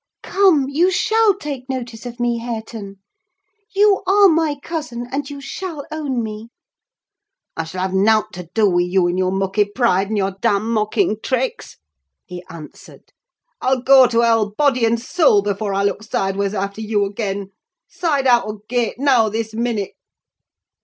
Come, you shall take notice of me, Hareton: you are my cousin, and you shall own me." "I shall have naught to do wi' you and your mucky pride, and your damned mocking tricks!" he answered. "I'll go to hell, body and soul, before I look sideways after you again. Side out o' t' gate, now, this minute!"